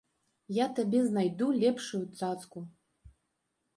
Я табе знайду лепшую цацку.